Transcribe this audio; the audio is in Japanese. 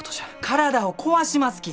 体を壊しますき！